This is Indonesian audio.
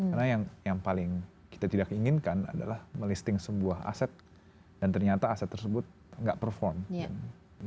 karena yang paling kita tidak inginkan adalah melisting sebuah aset dan ternyata aset tersebut tidak perform